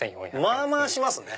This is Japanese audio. まぁまぁしますね。